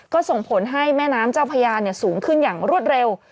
ก็ส่งผลให้แม่น้ำเจ้าพญาสูงขึ้นอย่างรวดเร็ว